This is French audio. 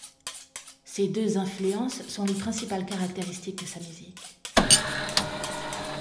Ces deux influences sont les principales caractéristiques de sa musique.